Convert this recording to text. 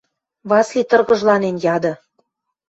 – Васли тыргыжланен яды.